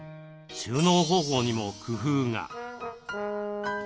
収納方法にも工夫が。